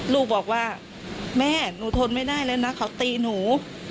ลูกบอกว่าแม่หนูทนไม่ได้แล้วนะเขาตีหนู